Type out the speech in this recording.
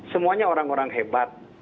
semuanya orang orang hebat